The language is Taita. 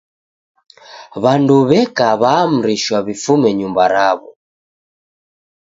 W'andu w'eka w'aamrishwa w'ifume nyumba raw'o.